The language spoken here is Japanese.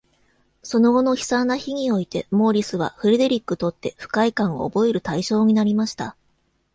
その後の悲惨な日において、モーリスはフレデリックとって不快感を覚える対象になりました。